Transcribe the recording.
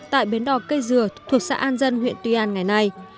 tại bến đò cây dừa thuộc xã an dân huyện tuy an ngày nay